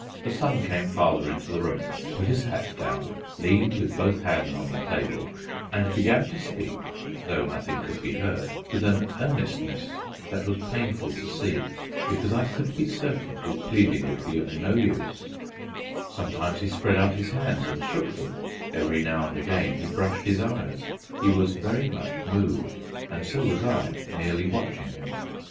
The son came farther into the room, put his hat down, leaned with both hands on the table, and began to speak (though nothing could be heard) with an earnestness that was painful to see, because I could be certain his pleading would be of no use; sometimes he spread out his hands and shook them, every now and again he brushed his eyes. He was very much moved, and so was I, merely watching him.